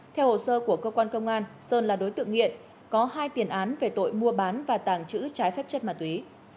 theo hồ sơ của cơ quan công an sơn là đối tượng nghiện có hai tiền án về tội mua bán và tàng trữ trái phép chất ma túy